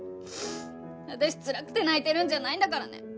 私つらくて泣いてるんじゃないんだからね。